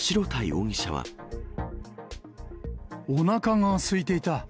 おなかがすいていた。